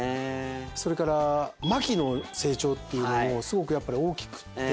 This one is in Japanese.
それから牧の成長っていうのもすごくやっぱり大きくって。